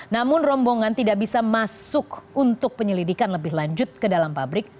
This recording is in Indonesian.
namun rombongan tidak bisa masuk untuk penyelidikan lebih lanjut ke dalam pabrik